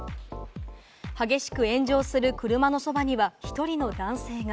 激しく炎上する車のそばには１人の男性が。